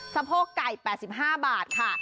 สะโพกไก่๘๕บาทค่ะ